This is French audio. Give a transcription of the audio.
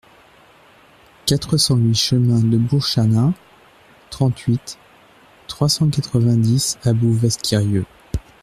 quatre cent huit chemin de Bourchanin, trente-huit, trois cent quatre-vingt-dix à Bouvesse-Quirieu